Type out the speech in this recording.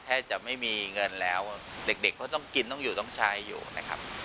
แทบจะไม่มีเงินแล้วเด็กเขาต้องกินต้องอยู่ต้องใช้อยู่นะครับ